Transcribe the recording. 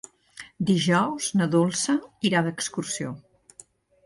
Dijous na Dolça irà d'excursió.